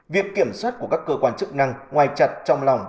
việc kiểm soát của các cơ quan chức năng ngoài chặt trong lòng